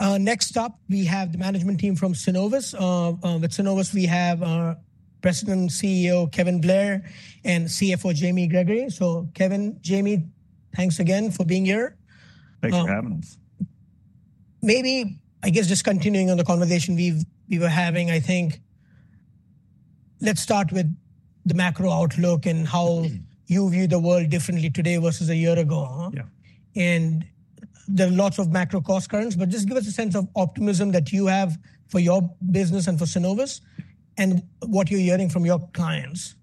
All right. Next up, we have the management team from Synovus. With Synovus, we have President and CEO Kevin Blair and CFO Jamie Gregory. So Kevin, Jamie, thanks again for being here. Thanks for having us. Maybe, I guess, just continuing on the conversation we were having, I think, let's start with the macro outlook and how you view the world differently today versus a year ago. Yeah. There are lots of macro cross-currents, but just give us a sense of optimism that you have for your business and for Synovus and what you're hearing from your clients.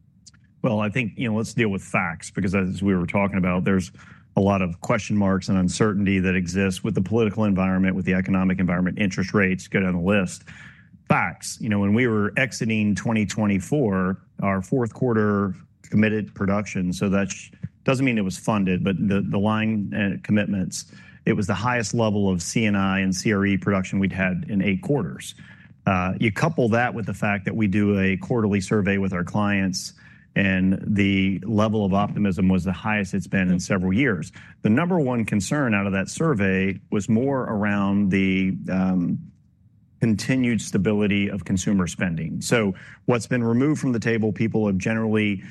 I think, you know, let's deal with facts because, as we were talking about, there's a lot of question marks and uncertainty that exists with the political environment, with the economic environment, interest rates, go down the list. Facts. You know, when we were exiting 2024, our fourth quarter committed production, so that doesn't mean it was funded, but the line commitments. It was the highest level of C&I and CRE production we'd had in eight quarters. You couple that with the fact that we do a quarterly survey with our clients, and the level of optimism was the highest it's been in several years. The number one concern out of that survey was more around the continued stability of consumer spending. So what's been removed from the table, people have generally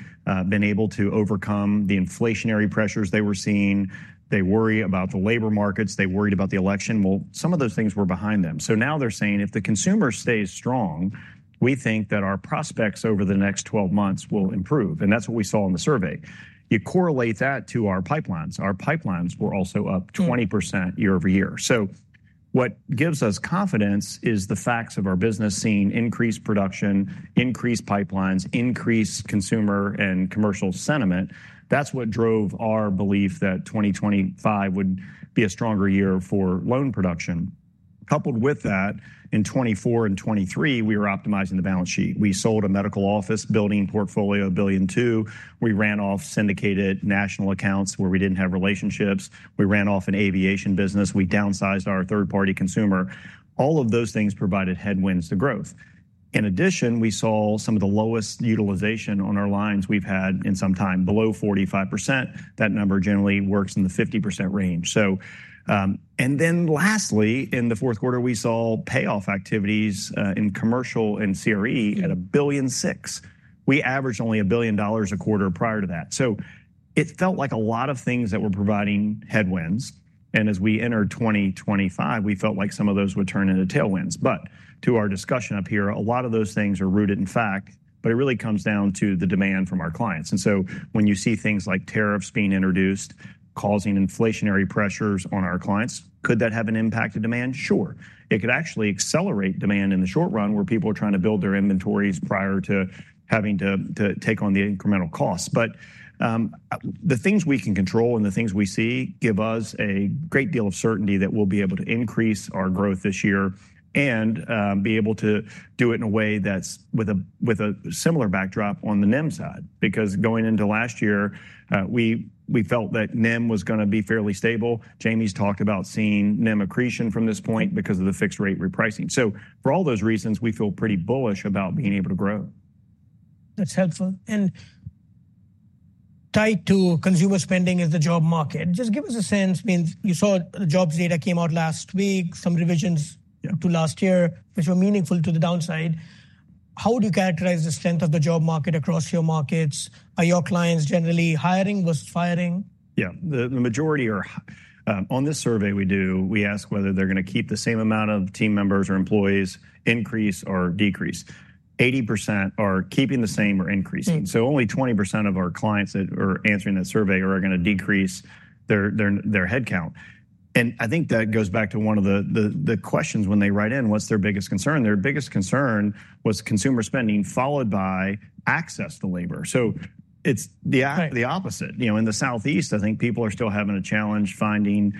been able to overcome the inflationary pressures they were seeing. They worry about the labor markets. They worried about the election. Some of those things were behind them. Now they're saying if the consumer stays strong, we think that our prospects over the next 12 months will improve. That's what we saw in the survey. You correlate that to our pipelines. Our pipelines were also up 20% year over year. What gives us confidence is the facts of our business seeing increased production, increased pipelines, increased consumer and commercial sentiment. That's what drove our belief that 2025 would be a stronger year for loan production. Coupled with that, in 2024 and 2023, we were optimizing the balance sheet. We sold a medical office building portfolio, $1.2 billion. We ran off syndicated national accounts where we didn't have relationships. We ran off an aviation business. We downsized our third-party consumer. All of those things provided headwinds to growth. In addition, we saw some of the lowest utilization on our lines we've had in some time, below 45%. That number generally works in the 50% range. So, and then lastly, in the fourth quarter, we saw payoff activities in commercial and CRE at $1.6 billion. We averaged only $1 billion a quarter prior to that. So it felt like a lot of things that were providing headwinds. And as we entered 2025, we felt like some of those would turn into tailwinds. But to our discussion up here, a lot of those things are rooted in fact, but it really comes down to the demand from our clients. And so when you see things like tariffs being introduced, causing inflationary pressures on our clients, could that have an impact on demand? Sure. It could actually accelerate demand in the short run where people are trying to build their inventories prior to having to take on the incremental costs. But the things we can control and the things we see give us a great deal of certainty that we'll be able to increase our growth this year and be able to do it in a way that's with a similar backdrop on the NIM side, because going into last year, we felt that NIM was going to be fairly stable. Jamie's talked about seeing NIM accretion from this point because of the fixed rate repricing. So for all those reasons, we feel pretty bullish about being able to grow. That's helpful. And tied to consumer spending is the job market. Just give us a sense. I mean, you saw the jobs data came out last week, some revisions to last year, which were meaningful to the downside. How would you characterize the strength of the job market across your markets? Are your clients generally hiring versus firing? Yeah, the majority are on this survey we do. We ask whether they're going to keep the same amount of team members or employees, increase or decrease. 80% are keeping the same or increasing. So only 20% of our clients that are answering that survey are going to decrease their headcount. And I think that goes back to one of the questions when they write in, what's their biggest concern? Their biggest concern was consumer spending followed by access to labor. So it's the opposite. You know, in the Southeast, I think people are still having a challenge finding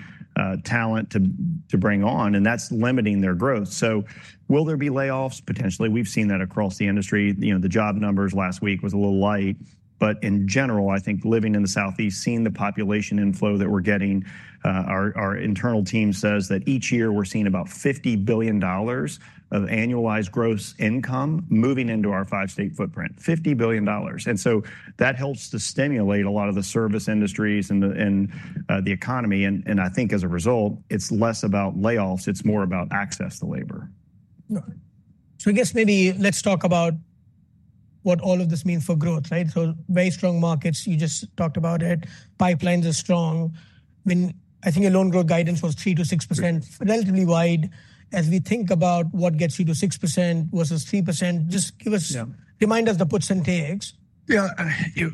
talent to bring on, and that's limiting their growth. So will there be layoffs? Potentially. We've seen that across the industry. You know, the job numbers last week were a little light, but in general, I think living in the Southeast, seeing the population inflow that we're getting, our internal team says that each year we're seeing about $50 billion of annualized gross income moving into our five-state footprint, $50 billion, and so that helps to stimulate a lot of the service industries and the economy, and I think as a result, it's less about layoffs. It's more about access to labor. So I guess maybe let's talk about what all of this means for growth, right? So very strong markets. You just talked about it. Pipelines are strong. I think your loan growth guidance was 3%-6%, relatively wide. As we think about what gets you to 6% versus 3%, just give us, remind us the puts and takes. Yeah,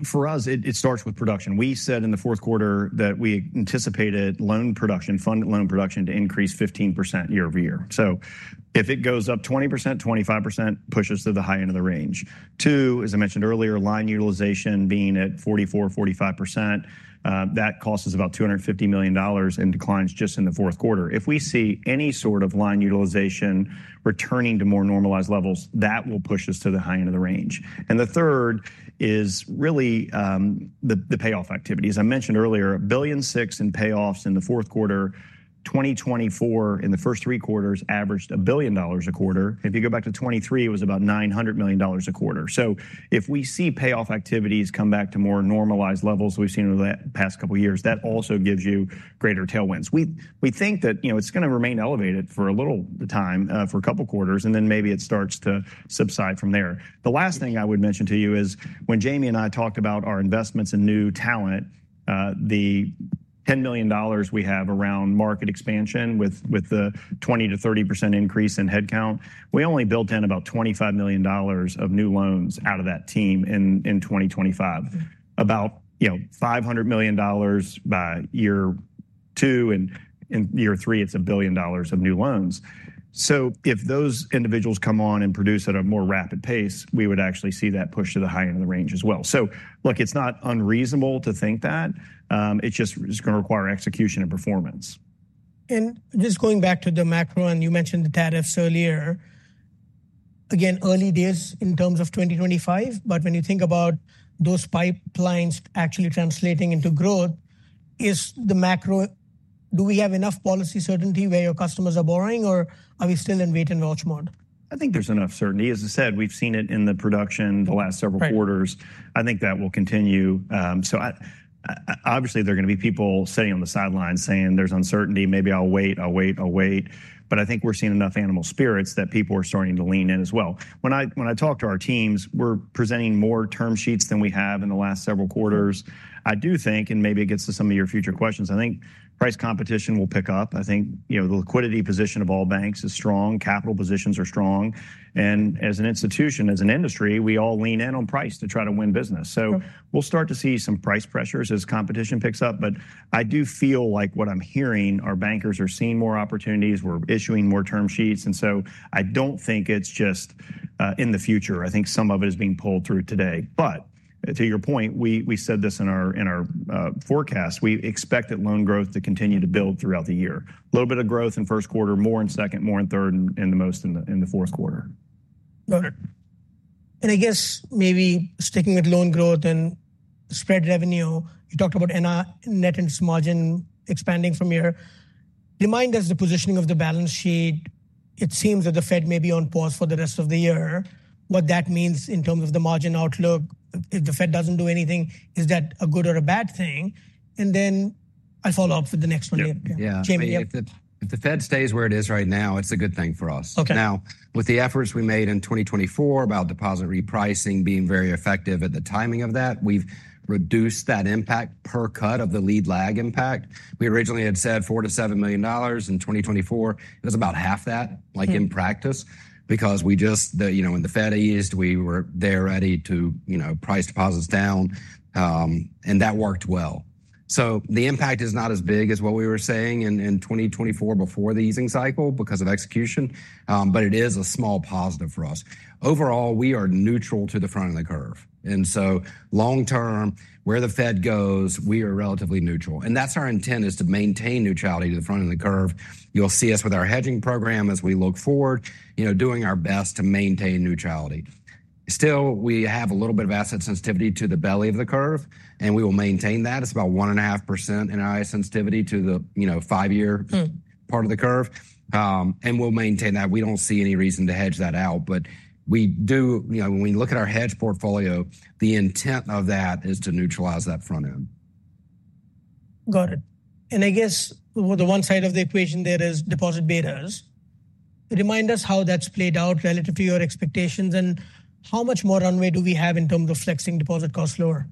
for us, it starts with production. We said in the fourth quarter that we anticipated loan production, funded loan production to increase 15% year over year. So if it goes up 20%-25%, that pushes to the high end of the range. Two, as I mentioned earlier, line utilization being at 44%-45%, that cost is about $250 million and declines just in the fourth quarter. If we see any sort of line utilization returning to more normalized levels, that will push us to the high end of the range. And the third is really the payoff activity. As I mentioned earlier, $1.6 billion in payoffs in the fourth quarter. 2024, in the first three quarters, averaged $1 billion a quarter. If you go back to 2023, it was about $900 million a quarter. So if we see payoff activities come back to more normalized levels we've seen over the past couple of years, that also gives you greater tailwinds. We think that, you know, it's going to remain elevated for a little time, for a couple of quarters, and then maybe it starts to subside from there. The last thing I would mention to you is when Jamie and I talked about our investments in new talent, the $10 million we have around market expansion with the 20%-30% increase in headcount, we only built in about $25 million of new loans out of that team in 2025. About, you know, $500 million by year two and year three, it's $1 billion of new loans. So if those individuals come on and produce at a more rapid pace, we would actually see that push to the high end of the range as well. So look, it's not unreasonable to think that. It's just going to require execution and performance. And just going back to the macro, and you mentioned the tariffs earlier, again, early days in terms of 2025, but when you think about those pipelines actually translating into growth, is the macro, do we have enough policy certainty where your customers are borrowing, or are we still in wait and watch mode? I think there's enough certainty. As I said, we've seen it in the production the last several quarters. I think that will continue. So obviously there are going to be people sitting on the sidelines saying there's uncertainty. Maybe I'll wait, I'll wait, I'll wait. But I think we're seeing enough animal spirits that people are starting to lean in as well. When I talk to our teams, we're presenting more term sheets than we have in the last several quarters. I do think, and maybe it gets to some of your future questions, I think price competition will pick up. I think, you know, the liquidity position of all banks is strong. Capital positions are strong. And as an institution, as an industry, we all lean in on price to try to win business. So we'll start to see some price pressures as competition picks up. But I do feel like what I'm hearing, our bankers are seeing more opportunities. We're issuing more term sheets. And so I don't think it's just in the future. I think some of it is being pulled through today. But to your point, we said this in our forecast, we expect that loan growth to continue to build throughout the year. A little bit of growth in first quarter, more in second, more in third, and the most in the fourth quarter. And I guess maybe sticking with loan growth and spread revenue, you talked about net interest margin expanding from here. Remind us the positioning of the balance sheet. It seems that the Fed may be on pause for the rest of the year. What that means in terms of the margin outlook, if the Fed doesn't do anything, is that a good or a bad thing? And then I'll follow up with the next one. Yeah, I mean, if the Fed stays where it is right now, it's a good thing for us. Now, with the efforts we made in 2024 about deposit repricing being very effective at the timing of that, we've reduced that impact per cut of the lead lag impact. We originally had said $4 million-$7 million in 2024. It was about half that, like in practice, because we just, you know, when the Fed eased, we were there ready to, you know, price deposits down. And that worked well. So the impact is not as big as what we were saying in 2024 before the easing cycle because of execution, but it is a small positive for us. Overall, we are neutral to the front of the curve. And so long term, where the Fed goes, we are relatively neutral. That's our intent is to maintain neutrality to the front of the curve. You'll see us with our hedging program as we look forward, you know, doing our best to maintain neutrality. Still, we have a little bit of asset sensitivity to the belly of the curve, and we will maintain that. It's about 1.5% in our EVE sensitivity to the, you know, five-year part of the curve. We'll maintain that. We don't see any reason to hedge that out. We do, you know, when we look at our hedge portfolio, the intent of that is to neutralize that front end. Got it. And I guess the one side of the equation there is deposit betas. Remind us how that's played out relative to your expectations and how much more runway do we have in terms of flexing deposit costs lower?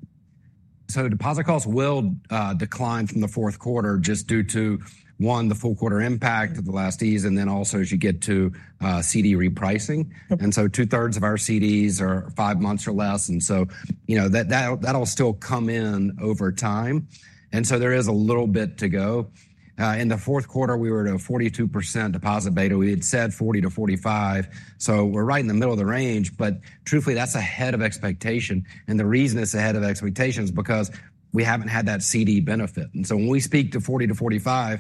Deposit costs will decline from the fourth quarter just due to one, the full quarter impact of the last ease, and then also as you get to CD repricing. And so 2/3 of our CDs are five months or less. And so, you know, that'll still come in over time. And so there is a little bit to go. In the fourth quarter, we were at a 42% deposit beta. We had said 40%-45%. So we're right in the middle of the range, but truthfully, that's ahead of expectation. And the reason it's ahead of expectation is because we haven't had that CD benefit. And so when we speak to 40%-45%,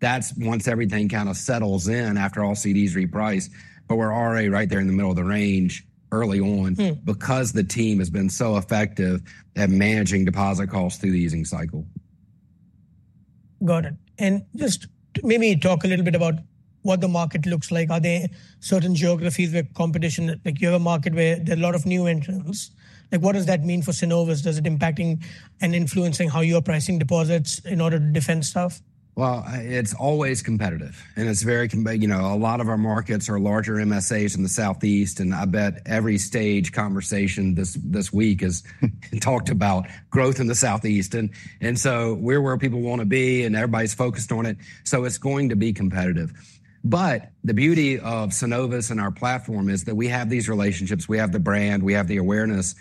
that's once everything kind of settles in after all CDs repriced, but we're already right there in the middle of the range early on because the team has been so effective at managing deposit costs through the easing cycle. Got it and just maybe talk a little bit about what the market looks like. Are there certain geographies where competition, like you have a market where there are a lot of new entrants? Like what does that mean for Synovus? Does it impact and influence how you are pricing deposits in order to defend stuff? It's always competitive. And it's very, you know, a lot of our markets are larger MSAs in the Southeast. And I bet every stage conversation this week has talked about growth in the Southeast. And so we're where people want to be, and everybody's focused on it. So it's going to be competitive. But the beauty of Synovus and our platform is that we have these relationships. We have the brand. We have the awareness that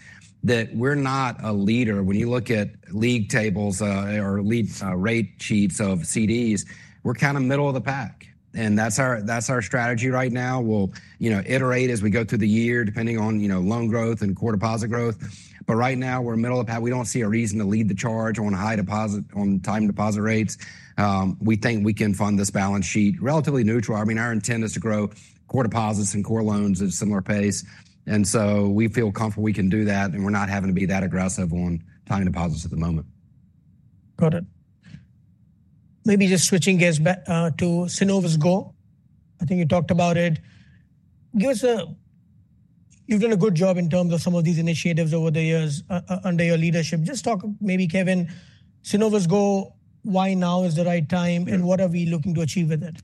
we're not a leader. When you look at league tables or lead rate sheets of CDs, we're kind of middle of the pack. And that's our strategy right now. We'll, you know, iterate as we go through the year depending on, you know, loan growth and core deposit growth. But right now, we're middle of the pack. We don't see a reason to lead the charge on high deposit, on time deposit rates. We think we can fund this balance sheet relatively neutral. I mean, our intent is to grow core deposits and core loans at a similar pace, and so we feel comfortable we can do that, and we're not having to be that aggressive on time deposits at the moment. Got it. Maybe just switching gears back to Synovus Go. I think you talked about it. Give us a, you've done a good job in terms of some of these initiatives over the years under your leadership. Just talk maybe, Kevin, Synovus Go, why now is the right time, and what are we looking to achieve with it?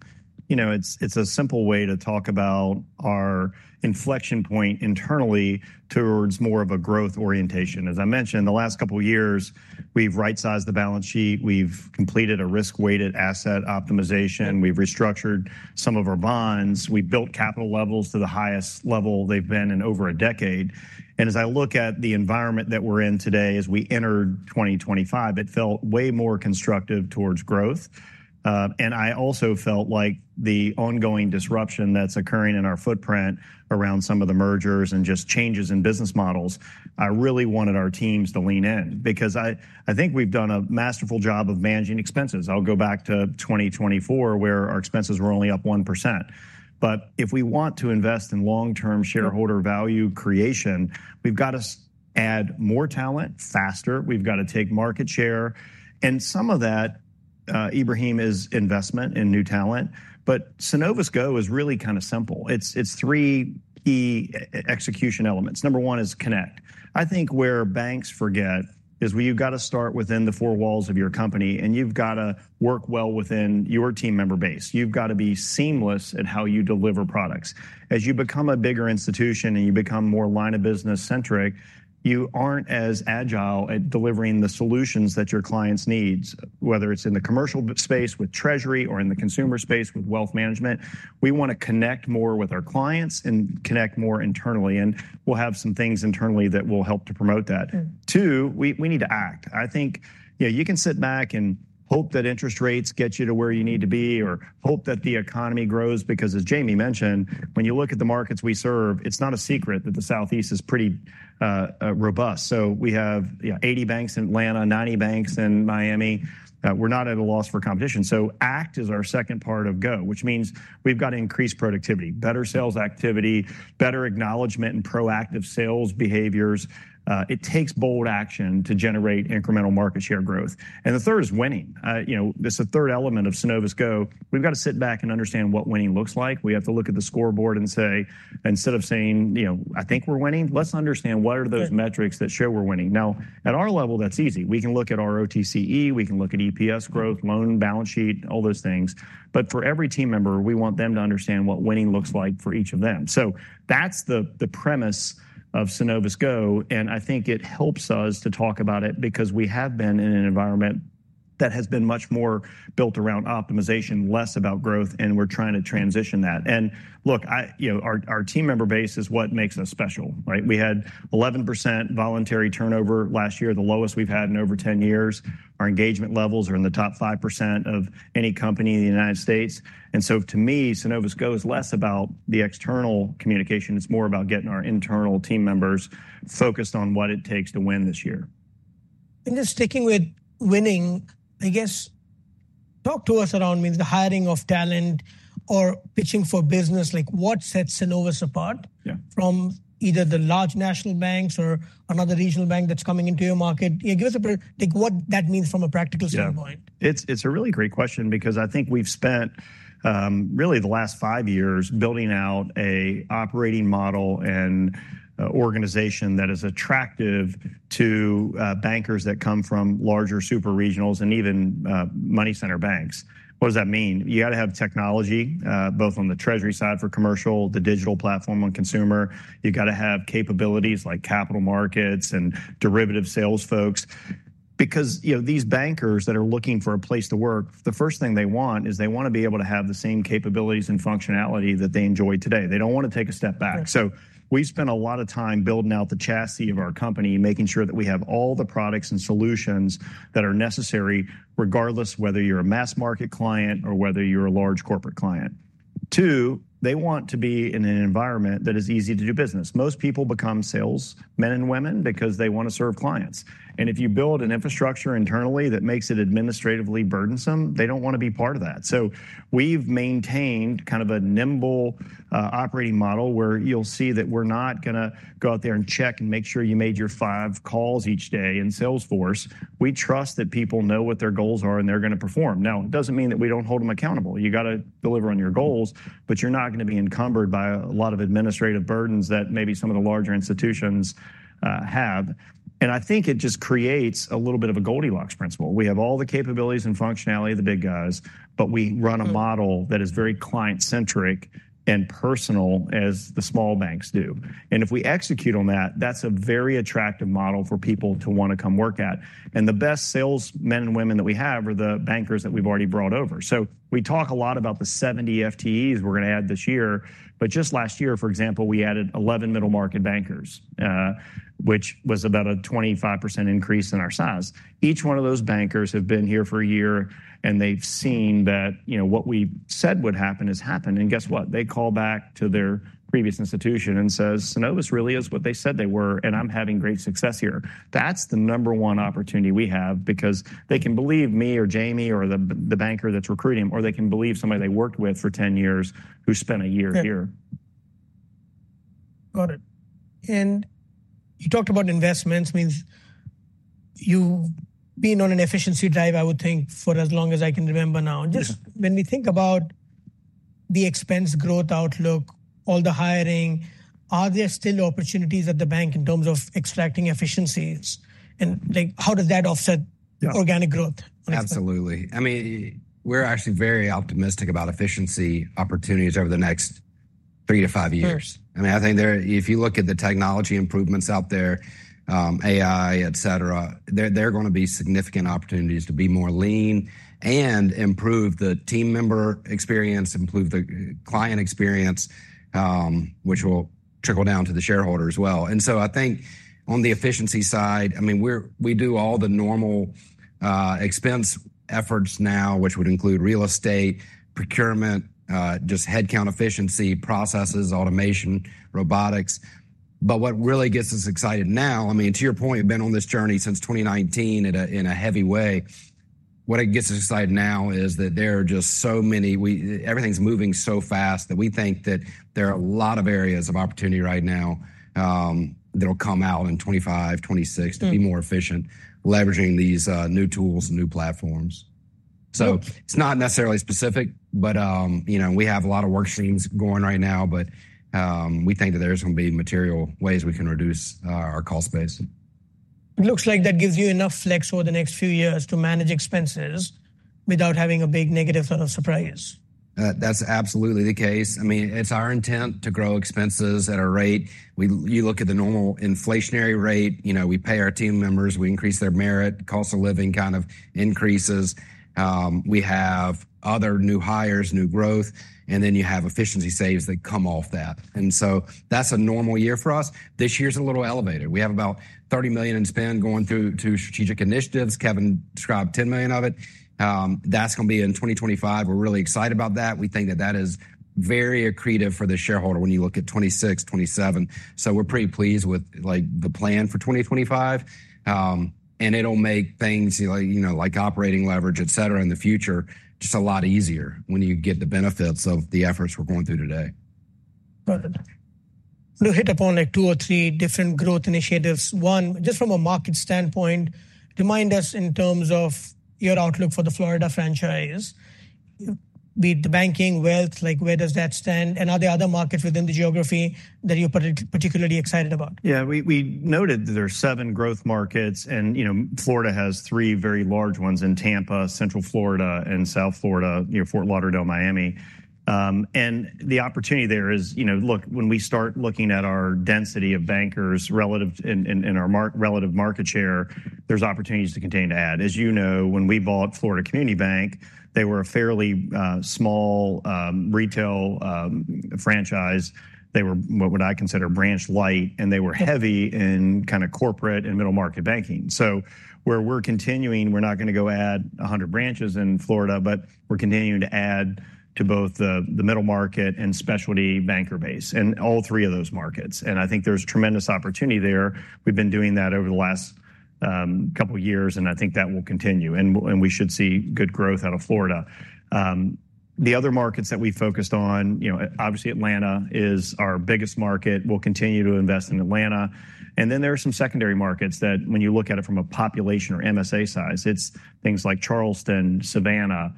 You know, it's a simple way to talk about our inflection point internally towards more of a growth orientation. As I mentioned, the last couple of years, we've right-sized the balance sheet. We've completed a risk-weighted asset optimization. We've restructured some of our bonds. We've built capital levels to the highest level they've been in over a decade. And as I look at the environment that we're in today, as we enter 2025, it felt way more constructive towards growth. And I also felt like the ongoing disruption that's occurring in our footprint around some of the mergers and just changes in business models, I really wanted our teams to lean in because I think we've done a masterful job of managing expenses. I'll go back to 2024 where our expenses were only up 1%. But if we want to invest in long-term shareholder value creation, we've got to add more talent faster. We've got to take market share. And some of that, Ebrahim, is investment in new talent. But Synovus Go is really kind of simple. It's three key execution elements. Number one is connect. I think where banks forget is you've got to start within the four walls of your company, and you've got to work well within your team member base. You've got to be seamless at how you deliver products. As you become a bigger institution and you become more line of business centric, you aren't as agile at delivering the solutions that your clients need, whether it's in the commercial space with Treasury or in the consumer space with wealth management. We want to connect more with our clients and connect more internally. We'll have some things internally that will help to promote that. Two, we need to act. I think, you know, you can sit back and hope that interest rates get you to where you need to be or hope that the economy grows because, as Jamie mentioned, when you look at the markets we serve, it's not a secret that the Southeast is pretty robust. We have 80 banks in Atlanta, 90 banks in Miami. We're not at a loss for competition. Act is our second part of Go, which means we've got to increase productivity, better sales activity, better acknowledgment, and proactive sales behaviors. It takes bold action to generate incremental market share growth. The third is winning. You know, it's the third element of Synovus Go. We've got to sit back and understand what winning looks like. We have to look at the scoreboard and say, instead of saying, you know, I think we're winning, let's understand what are those metrics that show we're winning. Now, at our level, that's easy. We can look at our ROTCE. We can look at EPS growth, loan balance sheet, all those things. But for every team member, we want them to understand what winning looks like for each of them. So that's the premise of Synovus Go. And I think it helps us to talk about it because we have been in an environment that has been much more built around optimization, less about growth, and we're trying to transition that. And look, you know, our team member base is what makes us special, right? We had 11% voluntary turnover last year, the lowest we've had in over 10 years. Our engagement levels are in the top 5% of any company in the United States, and so to me, Synovus Go is less about the external communication. It's more about getting our internal team members focused on what it takes to win this year. Just sticking with winning, I guess. Talk to us around, I mean, the hiring of talent or pitching for business, like what sets Synovus apart from either the large national banks or another regional bank that's coming into your market? Give us, like, what that means from a practical standpoint. Yeah, it's a really great question because I think we've spent really the last five years building out an operating model and organization that is attractive to bankers that come from larger super regionals and even money center banks. What does that mean? You got to have technology both on the Treasury side for commercial, the digital platform on consumer. You've got to have capabilities like capital markets and derivative sales folks because, you know, these bankers that are looking for a place to work, the first thing they want is they want to be able to have the same capabilities and functionality that they enjoy today. They don't want to take a step back. So we spend a lot of time building out the chassis of our company, making sure that we have all the products and solutions that are necessary regardless whether you're a mass market client or whether you're a large corporate client. Two, they want to be in an environment that is easy to do business. Most people become salesmen and women because they want to serve clients. And if you build an infrastructure internally that makes it administratively burdensome, they don't want to be part of that. So we've maintained kind of a nimble operating model where you'll see that we're not going to go out there and check and make sure you made your five calls each day in Salesforce. We trust that people know what their goals are and they're going to perform. Now, it doesn't mean that we don't hold them accountable. You got to deliver on your goals, but you're not going to be encumbered by a lot of administrative burdens that maybe some of the larger institutions have. And I think it just creates a little bit of a Goldilocks principle. We have all the capabilities and functionality of the big guys, but we run a model that is very client-centric and personal as the small banks do. And if we execute on that, that's a very attractive model for people to want to come work at. And the best salesmen and women that we have are the bankers that we've already brought over. So we talk a lot about the 70 FTEs we're going to add this year. But just last year, for example, we added 11 middle market bankers, which was about a 25% increase in our size. Each one of those bankers has been here for a year, and they've seen that, you know, what we said would happen has happened, and guess what? They call back to their previous institution and says, "Synovus really is what they said they were, and I'm having great success here." That's the number one opportunity we have because they can believe me or Jamie or the banker that's recruiting them, or they can believe somebody they worked with for 10 years who spent a year here. Got it, and you talked about investments. I mean, you've been on an efficiency drive, I would think, for as long as I can remember now. Just when we think about the expense growth outlook, all the hiring, are there still opportunities at the bank in terms of extracting efficiencies, and how does that offset organic growth? Absolutely. I mean, we're actually very optimistic about efficiency opportunities over the next three to five years. I mean, I think if you look at the technology improvements out there, AI, et cetera, there are going to be significant opportunities to be more lean and improve the team member experience, improve the client experience, which will trickle down to the shareholder as well. And so I think on the efficiency side, I mean, we do all the normal expense efforts now, which would include real estate, procurement, just headcount efficiency, processes, automation, robotics. But what really gets us excited now, I mean, to your point, we've been on this journey since 2019 in a heavy way. What gets us excited now is that there are just so many, everything's moving so fast that we think that there are a lot of areas of opportunity right now that will come out in 2025, 2026 to be more efficient, leveraging these new tools and new platforms. So it's not necessarily specific, but you know, we have a lot of work streams going right now, but we think that there's going to be material ways we can reduce our cost base. It looks like that gives you enough flex over the next few years to manage expenses without having a big negative sort of surprise. That's absolutely the case. I mean, it's our intent to grow expenses at a rate. You look at the normal inflationary rate, you know, we pay our team members, we increase their merit, cost of living kind of increases. We have other new hires, new growth, and then you have efficiency saves that come off that. And so that's a normal year for us. This year's a little elevated. We have about $30 million in spend going through strategic initiatives. Kevin described $10 million of it. That's going to be in 2025. We're really excited about that. We think that that is very accretive for the shareholder when you look at 2026, 2027. So we're pretty pleased with the plan for 2025. It'll make things like, you know, like operating leverage, et cetera, in the future just a lot easier when you get the benefits of the efforts we're going through today. Got it. We'll hit upon like two or three different growth initiatives. One, just from a market standpoint, remind us in terms of your outlook for the Florida franchise. The banking wealth, like where does that stand? And are there other markets within the geography that you're particularly excited about? Yeah, we noted that there are seven growth markets. And, you know, Florida has three very large ones in Tampa, Central Florida, and South Florida, you know, Fort Lauderdale, Miami. And the opportunity there is, you know, look, when we start looking at our density of bankers relative to our relative market share, there's opportunities to continue to add. As you know, when we bought Florida Community Bank, they were a fairly small retail franchise. They were, what would I consider, branch light, and they were heavy in kind of corporate and middle market banking. So where we're continuing, we're not going to go add 100 branches in Florida, but we're continuing to add to both the middle market and specialty banker base and all three of those markets. And I think there's tremendous opportunity there. We've been doing that over the last couple of years, and I think that will continue, and we should see good growth out of Florida. The other markets that we focused on, you know, obviously Atlanta is our biggest market. We'll continue to invest in Atlanta, and then there are some secondary markets that when you look at it from a population or MSA size, it's things like Charleston, Savannah,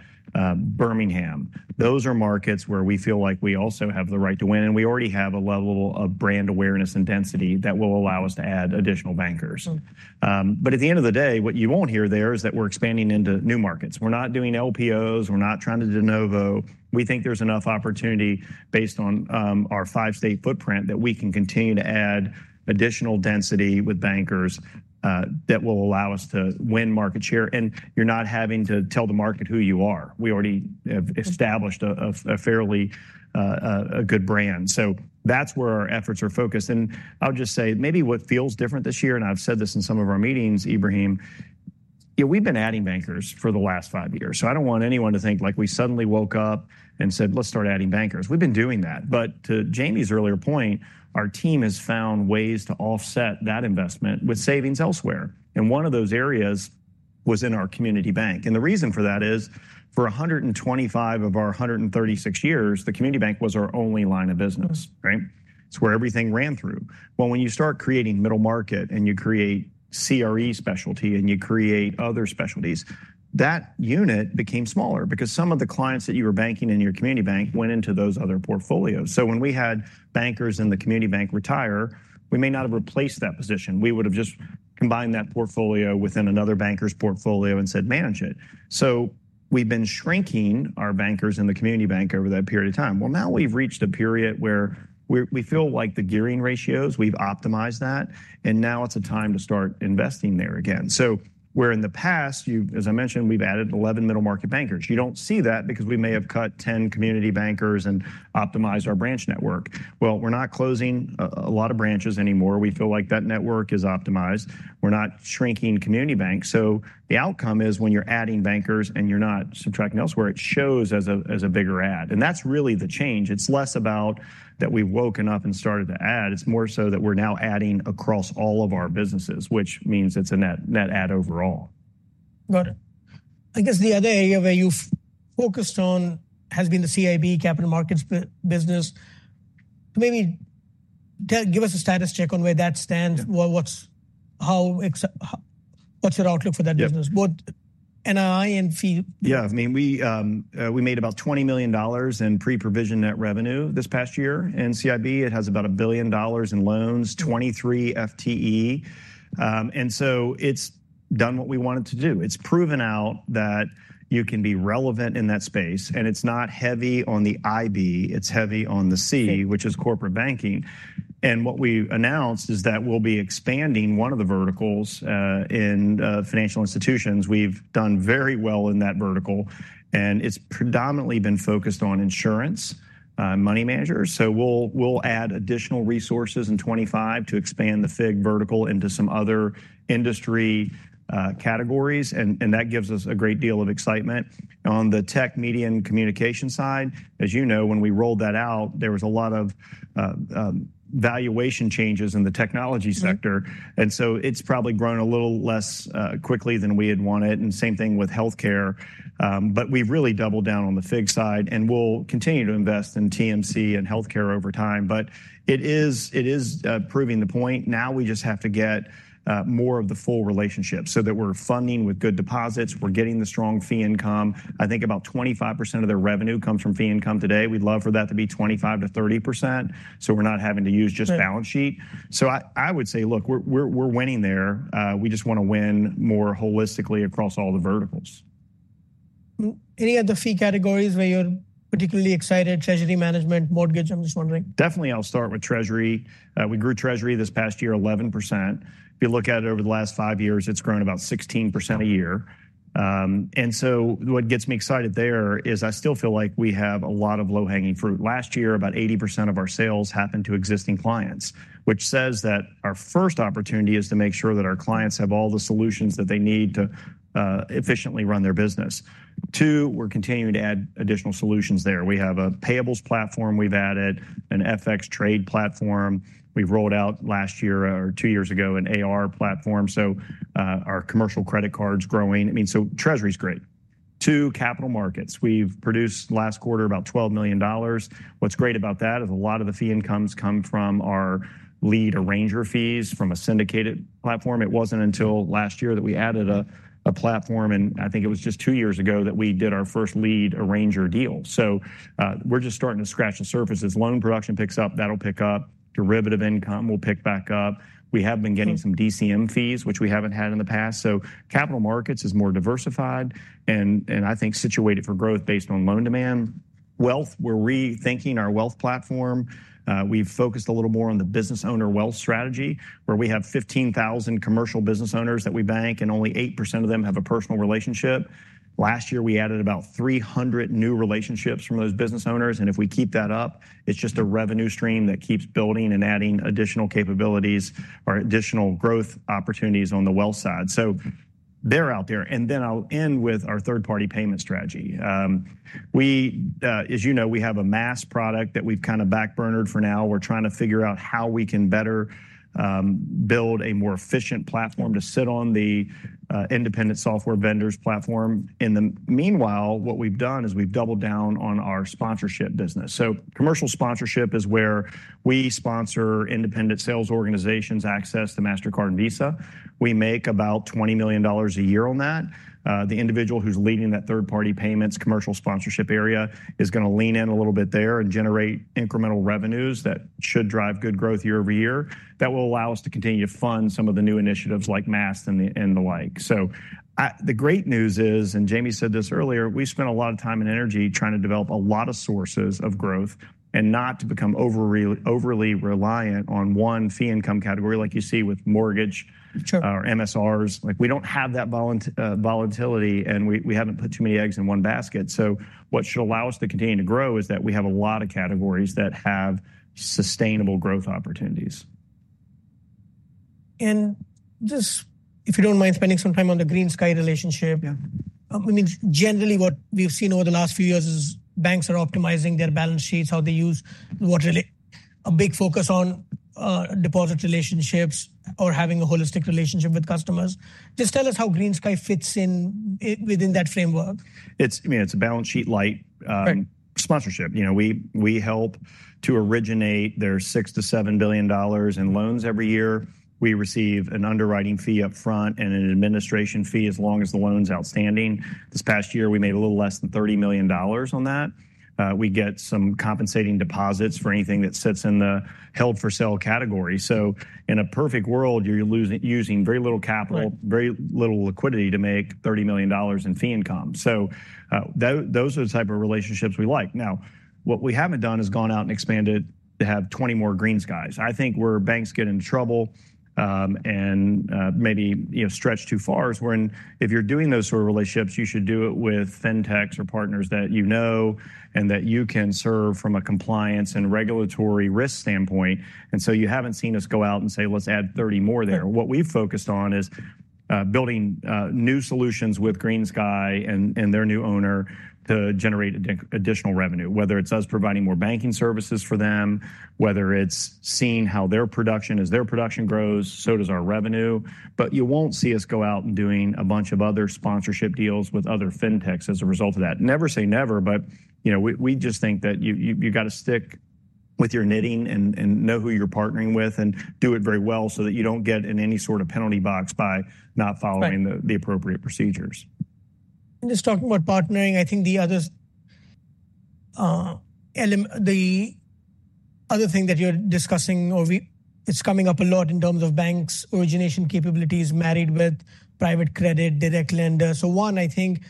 Birmingham. Those are markets where we feel like we also have the right to win. And we already have a level of brand awareness and density that will allow us to add additional bankers, but at the end of the day, what you won't hear there is that we're expanding into new markets. We're not doing LPOs. We're not trying to de novo. We think there's enough opportunity based on our five-state footprint that we can continue to add additional density with bankers that will allow us to win market share. And you're not having to tell the market who you are. We already have established a fairly good brand. So that's where our efforts are focused. And I'll just say maybe what feels different this year, and I've said this in some of our meetings, Ebrahim, you know, we've been adding bankers for the last five years. So I don't want anyone to think like we suddenly woke up and said, "Let's start adding bankers." We've been doing that. But to Jamie's earlier point, our team has found ways to offset that investment with savings elsewhere. And one of those areas was in our community bank. The reason for that is for 125 of our 136 years, the community bank was our only line of business, right? It's where everything ran through. When you start creating middle market and you create CRE specialty and you create other specialties, that unit became smaller because some of the clients that you were banking in your community bank went into those other portfolios. When we had bankers in the community bank retire, we may not have replaced that position. We would have just combined that portfolio within another banker's portfolio and said, "Manage it." We've been shrinking our bankers in the community bank over that period of time. Now we've reached a period where we feel like the gearing ratios, we've optimized that. It's a time to start investing there again. Where in the past, as I mentioned, we've added 11 middle market bankers. You don't see that because we may have cut 10 community bankers and optimized our branch network. We're not closing a lot of branches anymore. We feel like that network is optimized. We're not shrinking community bank. The outcome is when you're adding bankers and you're not subtracting elsewhere, it shows as a bigger ad. That's really the change. It's less about that we've woken up and started to add. It's more so that we're now adding across all of our businesses, which means it's a net add overall. Got it. I guess the other area where you've focused on has been the CIB capital markets business. Maybe give us a status check on where that stands. What's your outlook for that business? Both NII and FI? Yeah, I mean, we made about $20 million in pre-provision net revenue this past year. And CIB, it has about $1 billion in loans, 23 FTE. And so it's done what we wanted to do. It's proven out that you can be relevant in that space. And it's not heavy on the IB. It's heavy on the C, which is corporate banking. And what we announced is that we'll be expanding one of the verticals in financial institutions. We've done very well in that vertical. And it's predominantly been focused on insurance, money managers. So we'll add additional resources in 2025 to expand the FIG vertical into some other industry categories. And that gives us a great deal of excitement. On the tech, media, and communication side, as you know, when we rolled that out, there was a lot of valuation changes in the technology sector. And so it's probably grown a little less quickly than we had wanted. And same thing with healthcare. But we've really doubled down on the FIG side. And we'll continue to invest in TMC and healthcare over time. But it is proving the point. Now we just have to get more of the full relationship so that we're funding with good deposits. We're getting the strong fee income. I think about 25% of their revenue comes from fee income today. We'd love for that to be 25%-30%. So we're not having to use just balance sheet. So I would say, look, we're winning there. We just want to win more holistically across all the verticals. Any other fee categories where you're particularly excited? Treasury management, mortgage? I'm just wondering. Definitely, I'll start with treasury. We grew treasury this past year 11%. If you look at it over the last five years, it's grown about 16% a year. And so what gets me excited there is I still feel like we have a lot of low-hanging fruit. Last year, about 80% of our sales happened to existing clients, which says that our first opportunity is to make sure that our clients have all the solutions that they need to efficiently run their business. Two, we're continuing to add additional solutions there. We have a payables platform we've added, an FX trade platform. We've rolled out last year or two years ago an AR platform. So our commercial credit card's growing. I mean, so treasury's great. Two, capital markets. We've produced last quarter about $12 million. What's great about that is a lot of the fee incomes come from our lead arranger fees from a syndication platform. It wasn't until last year that we added a platform. And I think it was just two years ago that we did our first lead arranger deal. So we're just starting to scratch the surface. As loan production picks up, that'll pick up. Derivative income will pick back up. We have been getting some DCM fees, which we haven't had in the past. So capital markets is more diversified and I think situated for growth based on loan demand. Wealth, we're rethinking our wealth platform. We've focused a little more on the business owner wealth strategy, where we have 15,000 commercial business owners that we bank, and only 8% of them have a personal relationship. Last year, we added about 300 new relationships from those business owners. And if we keep that up, it's just a revenue stream that keeps building and adding additional capabilities or additional growth opportunities on the wealth side. So they're out there. And then I'll end with our third-party payment strategy. As you know, we have a Maast product that we've kind of backburnered for now. We're trying to figure out how we can better build a more efficient platform to sit on the independent software vendors platform. In the meanwhile, what we've done is we've doubled down on our sponsorship business. So commercial sponsorship is where we sponsor independent sales organizations access to Mastercard and Visa. We make about $20 million a year on that. The individual who's leading that third-party payments commercial sponsorship area is going to lean in a little bit there and generate incremental revenues that should drive good growth year over year. That will allow us to continue to fund some of the new initiatives like Maast and the like. So the great news is, and Jamie said this earlier, we spent a lot of time and energy trying to develop a lot of sources of growth and not to become overly reliant on one fee income category like you see with mortgage or MSRs. Like we don't have that volatility and we haven't put too many eggs in one basket. So what should allow us to continue to grow is that we have a lot of categories that have sustainable growth opportunities. Just if you don't mind spending some time on the GreenSky relationship, I mean, generally what we've seen over the last few years is banks are optimizing their balance sheets, how they use what really a big focus on deposit relationships or having a holistic relationship with customers. Just tell us how GreenSky fits in within that framework. It's, I mean, it's a balance sheet light sponsorship. You know, we help to originate their $6 billion-$7 billion in loans every year. We receive an underwriting fee upfront and an administration fee as long as the loan's outstanding. This past year, we made a little less than $30 million on that. We get some compensating deposits for anything that sits in the held for sale category. So in a perfect world, you're using very little capital, very little liquidity to make $30 million in fee income. So those are the type of relationships we like. Now, what we haven't done is gone out and expanded to have 20 more GreenSky. I think where banks get into trouble and maybe stretch too far is when, if you're doing those sort of relationships, you should do it with fintechs or partners that you know and that you can serve from a compliance and regulatory risk standpoint, and so you haven't seen us go out and say, "Let's add 30 more there." What we've focused on is building new solutions with GreenSky and their new owner to generate additional revenue, whether it's us providing more banking services for them, whether it's seeing how their production grows, so does our revenue, but you won't see us go out and doing a bunch of other sponsorship deals with other fintechs as a result of that. Never say never, but you know, we just think that you got to stick with your knitting and know who you're partnering with and do it very well so that you don't get in any sort of penalty box by not following the appropriate procedures. Just talking about partnering, I think the other thing that you're discussing, or it's coming up a lot in terms of banks' origination capabilities married with private credit, direct lender. So one, I think,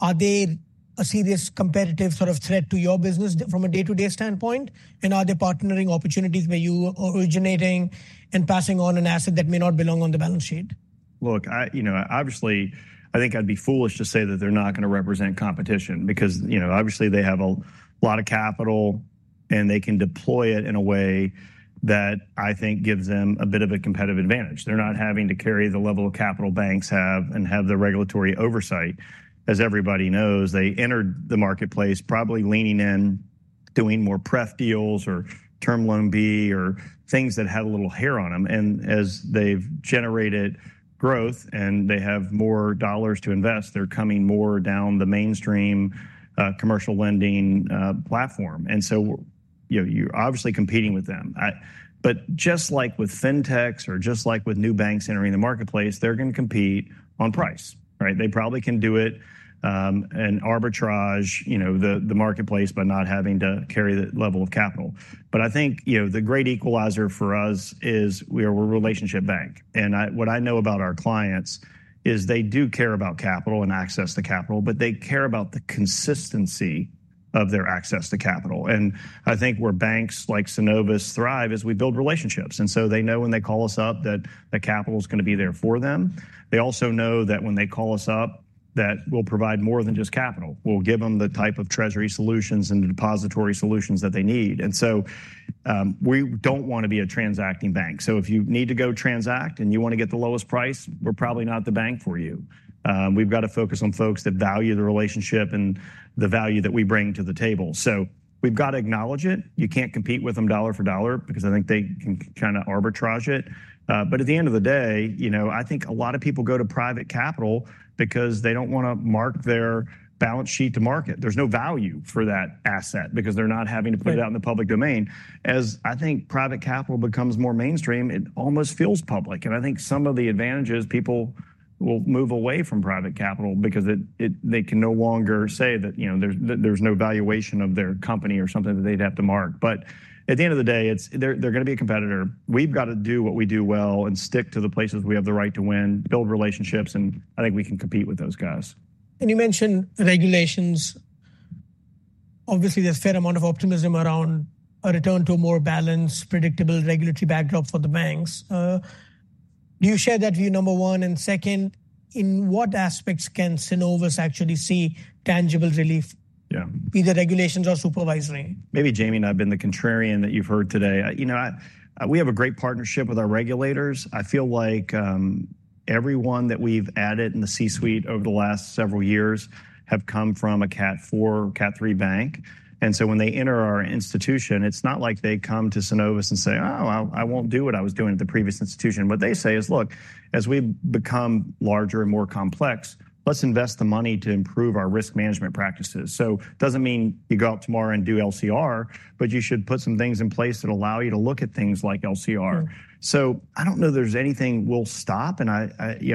are they a serious competitive sort of threat to your business from a day-to-day standpoint? And are there partnering opportunities where you are originating and passing on an asset that may not belong on the balance sheet? Look, you know, obviously, I think I'd be foolish to say that they're not going to represent competition because, you know, obviously they have a lot of capital and they can deploy it in a way that I think gives them a bit of a competitive advantage. They're not having to carry the level of capital banks have and have the regulatory oversight. As everybody knows, they entered the marketplace probably leaning in, doing more pref deals or Term Loan B or things that had a little hair on them. And as they've generated growth and they have more dollars to invest, they're coming more down the mainstream commercial lending platform. And so, you know, you're obviously competing with them. But just like with fintechs or just like with new banks entering the marketplace, they're going to compete on price, right? They probably can do it and arbitrage, you know, the marketplace by not having to carry that level of capital, but I think, you know, the great equalizer for us is we're a relationship bank, and what I know about our clients is they do care about capital and access to capital, but they care about the consistency of their access to capital, and I think where banks like Synovus thrive is we build relationships, and so they know when they call us up that the capital is going to be there for them. They also know that when they call us up, that we'll provide more than just capital. We'll give them the type of treasury solutions and depository solutions that they need, and so we don't want to be a transacting bank. So if you need to go transact and you want to get the lowest price, we're probably not the bank for you. We've got to focus on folks that value the relationship and the value that we bring to the table. So we've got to acknowledge it. You can't compete with them dollar for dollar because I think they can kind of arbitrage it. But at the end of the day, you know, I think a lot of people go to private capital because they don't want to mark their balance sheet to market. There's no value for that asset because they're not having to put it out in the public domain. As I think private capital becomes more mainstream, it almost feels public. And I think some of the advantages, people will move away from private capital because they can no longer say that, you know, there's no valuation of their company or something that they'd have to mark. But at the end of the day, they're going to be a competitor. We've got to do what we do well and stick to the places we have the right to win, build relationships, and I think we can compete with those guys. You mentioned regulations. Obviously, there's a fair amount of optimism around a return to a more balanced, predictable regulatory backdrop for the banks. Do you share that view, number one? And second, in what aspects can Synovus actually see tangible relief, be it the regulations or supervisory? Maybe Jamie and I have been the contrarian that you've heard today. You know, we have a great partnership with our regulators. I feel like everyone that we've added in the C-suite over the last several years have come from a Cat 4, Cat 3 bank. And so when they enter our institution, it's not like they come to Synovus and say, "Oh, I won't do what I was doing at the previous institution." What they say is, "Look, as we become larger and more complex, let's invest the money to improve our risk management practices." So it doesn't mean you go out tomorrow and do LCR, but you should put some things in place that allow you to look at things like LCR. So I don't know there's anything we'll stop. And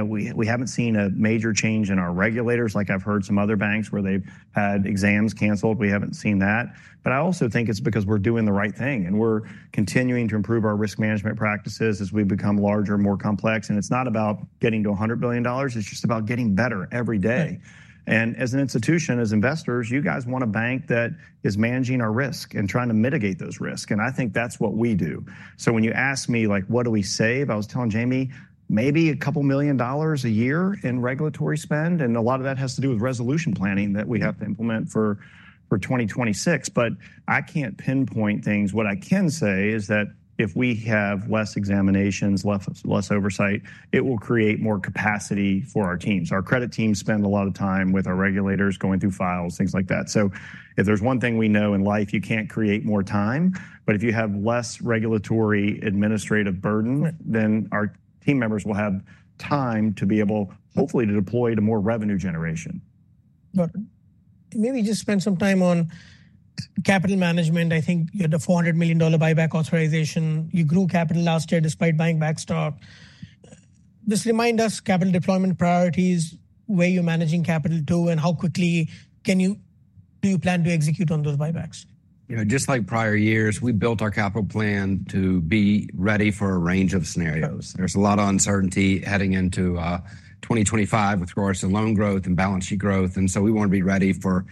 we haven't seen a major change in our regulators. Like, I've heard some other banks where they've had exams canceled. We haven't seen that. But I also think it's because we're doing the right thing, and we're continuing to improve our risk management practices as we become larger, more complex. It's not about getting to $100 billion. It's just about getting better every day. As an institution, as investors, you guys want a bank that is managing our risk and trying to mitigate those risks. I think that's what we do. So when you ask me, like, what do we save? I was telling Jamie, maybe $2 million a year in regulatory spend. A lot of that has to do with resolution planning that we have to implement for 2026. But I can't pinpoint things. What I can say is that if we have less examinations, less oversight, it will create more capacity for our teams. Our credit teams spend a lot of time with our regulators going through files, things like that. So if there's one thing we know in life, you can't create more time. But if you have less regulatory administrative burden, then our team members will have time to be able hopefully to deploy to more revenue generation. Maybe just spend some time on capital management. I think you had a $400 million buyback authorization. You grew capital last year despite buying back stock. Just remind us capital deployment priorities, where you're managing capital to, and how quickly do you plan to execute on those buybacks? You know, just like prior years, we built our capital plan to be ready for a range of scenarios. There's a lot of uncertainty heading into 2025 with regards to loan growth and balance sheet growth, and so we want to be ready for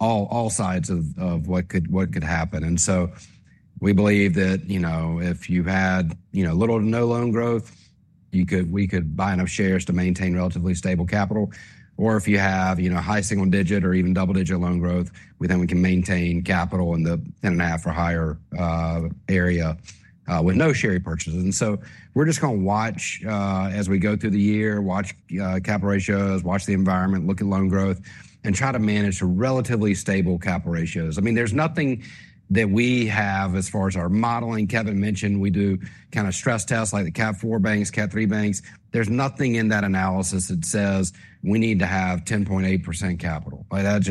all sides of what could happen, and so we believe that, you know, if you had, you know, little to no loan growth, we could buy enough shares to maintain relatively stable capital, or if you have, you know, high single digit or even double digit loan growth, then we can maintain capital in the 10 and a half or higher area with no share purchases, and so we're just going to watch as we go through the year, watch capital ratios, watch the environment, look at loan growth, and try to manage relatively stable capital ratios. I mean, there's nothing that we have as far as our modeling. Kevin mentioned we do kind of stress tests like the Cat 4 banks, Cat 3 banks. There's nothing in that analysis that says we need to have 10.8% capital. That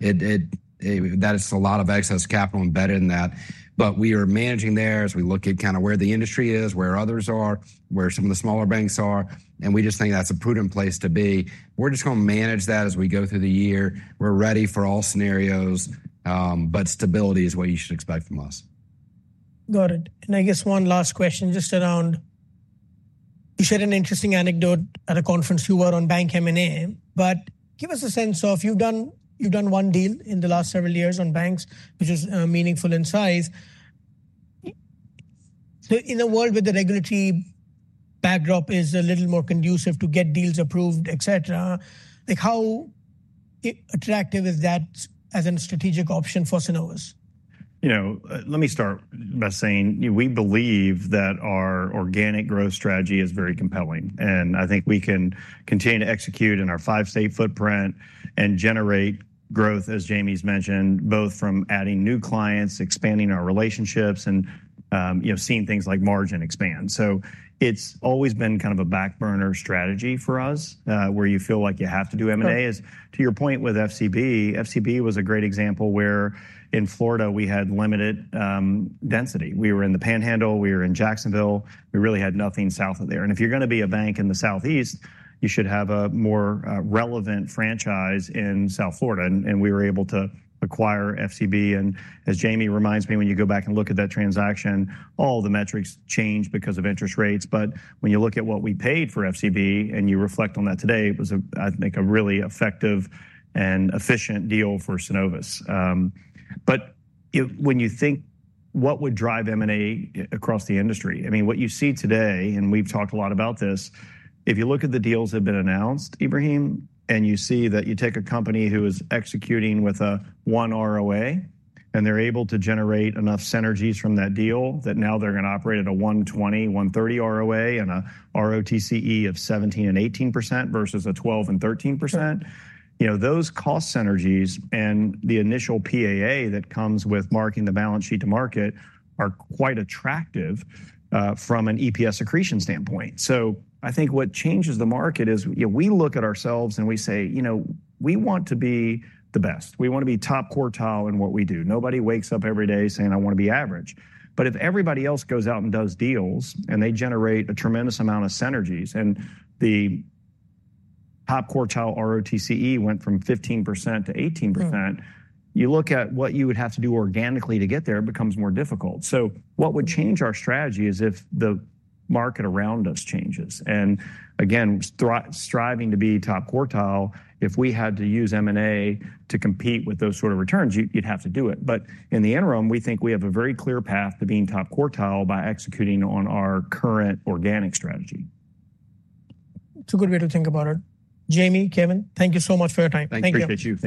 is a lot of excess capital embedded in that, but we are managing there as we look at kind of where the industry is, where others are, where some of the smaller banks are, and we just think that's a prudent place to be. We're just going to manage that as we go through the year. We're ready for all scenarios, but stability is what you should expect from us. Got it. And I guess one last question just around. You shared an interesting anecdote at a conference you were on Bank M&A, but give us a sense of you've done one deal in the last several years on banks, which is meaningful in size. So in a world where the regulatory backdrop is a little more conducive to get deals approved, et cetera, like how attractive is that as a strategic option for Synovus? You know, let me start by saying we believe that our organic growth strategy is very compelling, and I think we can continue to execute in our five state footprint and generate growth, as Jamie's mentioned, both from adding new clients, expanding our relationships, and, you know, seeing things like margin expand, so it's always been kind of a back burner strategy for us where you feel like you have to do M&A. To your point with FCB, FCB was a great example where in Florida we had limited density. We were in the Panhandle, we were in Jacksonville, we really had nothing south of there, and if you're going to be a bank in the Southeast, you should have a more relevant franchise in South Florida, and we were able to acquire FCB. And as Jamie reminds me, when you go back and look at that transaction, all the metrics change because of interest rates. But when you look at what we paid for FCB and you reflect on that today, it was, I think, a really effective and efficient deal for Synovus. But when you think what would drive M&A across the industry, I mean, what you see today, and we've talked a lot about this, if you look at the deals that have been announced, Ebrahim, and you see that you take a company who is executing with a 1 ROA and they're able to generate enough synergies from that deal that now they're going to operate at a 1.20-1.30 ROA and a ROTCE of 17%-18% versus a 12%-13%, you know, those cost synergies and the initial PAA that comes with marking the balance sheet to market are quite attractive from an EPS accretion standpoint. So I think what changes the market is we look at ourselves and we say, you know, we want to be the best. We want to be top quartile in what we do. Nobody wakes up every day saying, "I want to be average." But if everybody else goes out and does deals and they generate a tremendous amount of synergies and the top quartile ROTCE went from 15%-18%, you look at what you would have to do organically to get there, it becomes more difficult. So what would change our strategy is if the market around us changes. And again, striving to be top quartile, if we had to use M&A to compete with those sort of returns, you'd have to do it. But in the interim, we think we have a very clear path to being top quartile by executing on our current organic strategy. It's a good way to think about it. Jamie, Kevin, thank you so much for your time. Thank you.